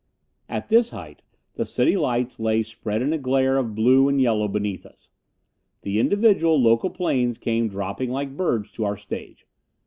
At this height, the city lights lay spread in a glare of blue and yellow beneath us. The individual local planes came dropping like birds to our stage.